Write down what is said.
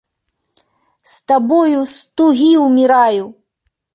З табою з тугі ўміраю!